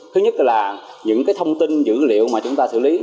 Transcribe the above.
thứ nhất là những cái thông tin dữ liệu mà chúng ta xử lý